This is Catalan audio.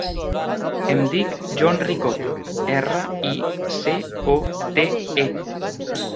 Em dic John Ricote: erra, i, ce, o, te, e.